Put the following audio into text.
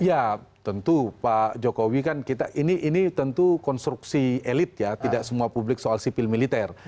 ya tentu pak jokowi kan kita ini tentu konstruksi elit ya tidak semua publik soal sipil militer